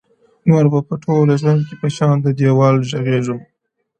نور به په ټول ژوند کي په شاني د دېوال ږغېږم”